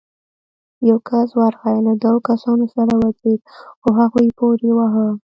يو کس ورغی، له دوو کسانو سره ودرېد، خو هغوی پورې واهه.